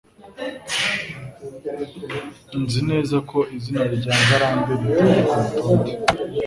Nzi neza ko izina rya Ngarambe ritari kurutonde.